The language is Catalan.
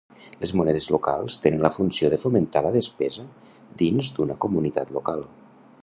Les monedes locals tenen la funció de fomentar la despesa dins d'una comunitat local.